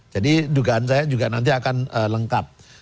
jadi dugaan saya juga nanti akan lengkap